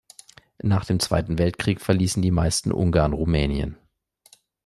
Nach dem Zweiten Weltkrieg verließen die meisten Ungarn Rumänien.